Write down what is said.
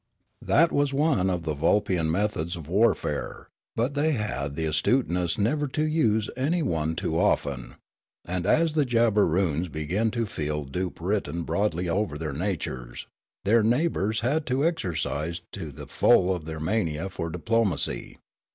Vulpia 253 That was one of the Vulpian methods of warfare; but they had the astuteness never to use any one too often ; and, as the Jabberoons began to feel dupe written broadly over their natures, their neighbours had to exercise to the full their mania for diplomacy.